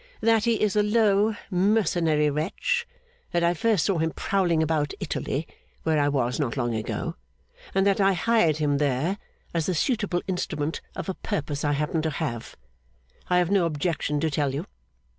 'That he is a low, mercenary wretch; that I first saw him prowling about Italy (where I was, not long ago), and that I hired him there, as the suitable instrument of a purpose I happened to have; I have no objection to tell you.